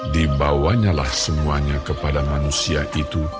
dibawanyalah semuanya kepada manusia itu